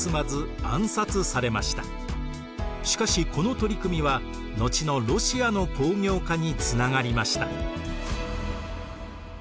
しかしこの取り組みは後のロシアの工業化につながりました。